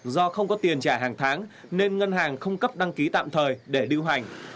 do không có tiền trả hàng tháng nên ngân hàng không cấp đăng ký tạm thời để lưu hành